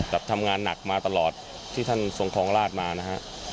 ทำงานหนักมาตลอดที่ท่านทรงครองราชมานะฮะ